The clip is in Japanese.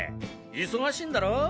忙しいんだろ？